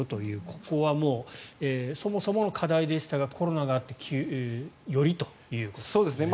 ここはもうそもそもの課題でしたがコロナがあってよりということですね。